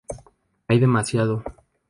Hay demasiado